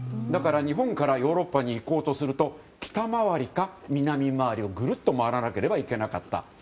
だから日本からヨーロッパに行こうとすると北回りか南回りをぐるっと回らなければいけなかった。